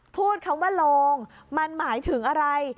พูดคำว่าโลงมันหมายถึงอะไร